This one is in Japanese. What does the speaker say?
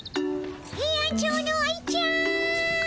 ヘイアンチョウの愛ちゃん。